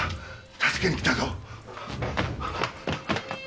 助けに来たぞ！